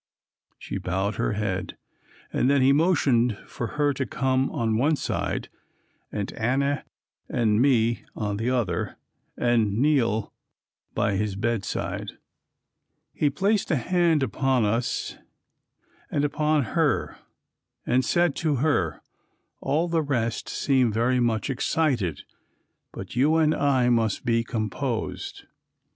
She bowed her head, and then he motioned for her to come on one side and Anna and me on the other and kneel by his bedside. He placed a hand upon us and upon her and said to her, "All the rest seem very much excited, but you and I must be composed."